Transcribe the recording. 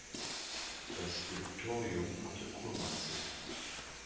Das Direktorium hatte Kurmainz inne.